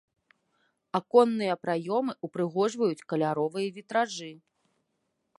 Аконныя праёмы ўпрыгожваюць каляровыя вітражы.